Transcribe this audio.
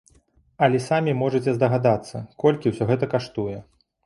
Але самі можаце здагадацца, колькі ўсё гэта каштуе.